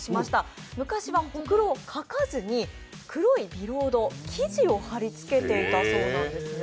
昔は、ほくろを描かずに黒いビロード、生地を貼りつけていたそうなんですね。